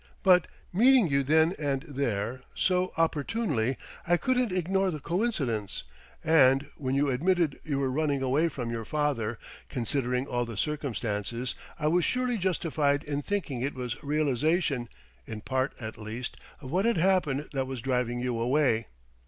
But, meeting you then and there, so opportunely I couldn't ignore the coincidence; and when you admitted you were running away from your father, considering all the circumstances, I was surely justified in thinking it was realization, in part at least, of what had happened that was driving you away."